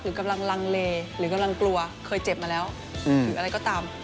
กำลังลังเลหรือกำลังกลัวเคยเจ็บมาแล้วหรืออะไรก็ตาม